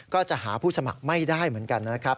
ก็จะหาผู้สมัครไม่ได้เหมือนกันนะครับ